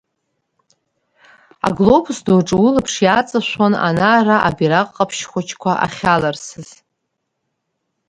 Аглобус ду аҿы улаԥш иааҵашәон ана-ара абираҟ ҟаԥшь хәыҷқәа ахьаларсыз.